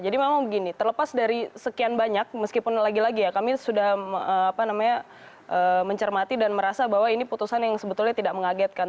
jadi memang begini terlepas dari sekian banyak meskipun lagi lagi ya kami sudah apa namanya mencermati dan merasa bahwa ini putusan yang sebetulnya tidak mengagetkan